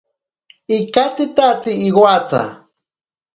Ikatsitatsi iwatsa.